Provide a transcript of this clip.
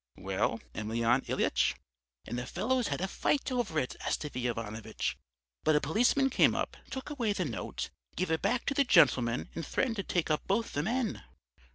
"' "'Well, Emelyan Ilyitch?' "'And the fellows had a fight over it, Astafy Ivanovitch. But a policeman came up, took away the note, gave it back to the gentleman and threatened to take up both the men.'